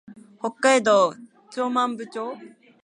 北海道長万部町